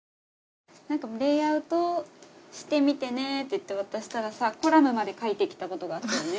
「レイアウトしてみてね」って言って渡したらさコラムまで書いてきたことがあったよね。